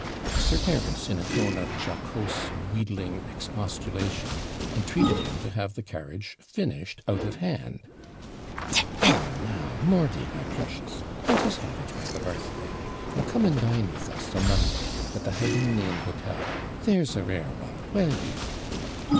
Sir Terence, in a tone of jocose, wheedling expostulation, entreated him to have the carriage finished OUT OF HAND. 'Ah, now! Mordy, my precious! let us have it by the birthday, and come and dine with us o' Monday, at the Hibernian Hotel there's a rare one will you?'